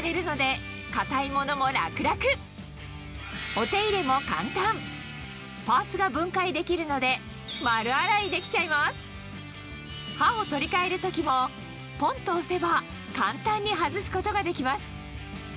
お手入れも簡単パーツが分解できるので刃を取りかえる時もポンと押せば簡単に外すことができます